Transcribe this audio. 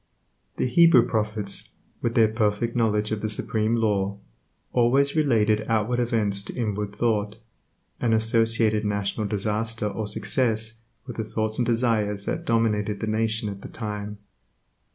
The Hebrew prophets, with their perfect knowledge of the Supreme Law, always related outward events to inward thought, and associated national disaster or success with the thoughts and desires that dominated the nation at the time.